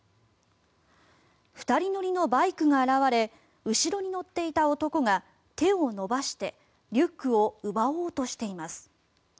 ２人乗りのバイクが現れ後ろに乗っていた男が手を伸ばしてリュックを奪おうとしています。